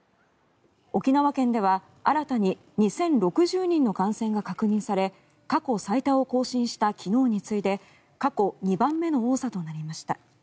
沖縄県では新たに２０６０人の感染が確認され過去最多を更新した昨日に次いで過去２番目の多さとなりました。